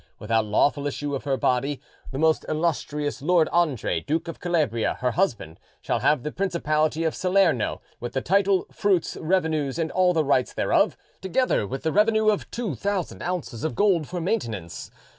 —without lawful issue of her body, the most illustrious lord Andre, Duke of Calabria, her husband, shall have the principality of Salerno, with the title, fruits, revenues, and all the rights thereof, together with the revenue of 2000 ounces of gold for maintenance.